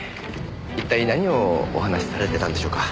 一体何をお話しされてたんでしょうか？